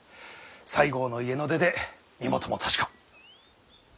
西郷の家の出で身元も確か。